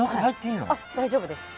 大丈夫です。